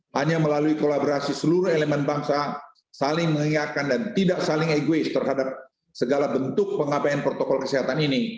hanya melalui kolaborasi seluruh elemen bangsa saling mengingatkan dan tidak saling egois terhadap segala bentuk pengabayan protokol kesehatan ini